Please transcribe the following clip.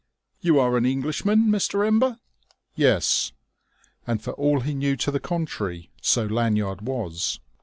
"You are an Englishman, Mr. Ember?" "Yes." And for all he knew to the contrary, so Lanyard was.